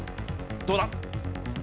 どうだ？